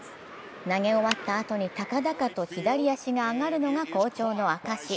投げ終わったあとに、高々と左足が上がるのが好調の証し。